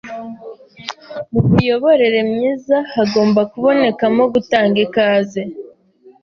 Mu miyoborere myiza hagomba kubonekamo gutanga ikaze